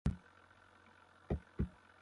بَرِیت بڑوْ مُٹھوٰ دوییگہ۔